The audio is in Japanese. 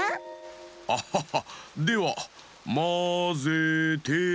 アッハッハではまぜて。